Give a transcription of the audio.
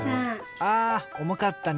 あおもかったね。